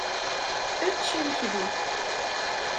Ečč imekli.